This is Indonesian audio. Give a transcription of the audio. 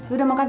udah makan tuh